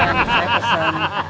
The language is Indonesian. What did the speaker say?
pesan ya pesan